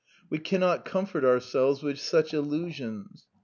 We cannot console ourselves with such illusions.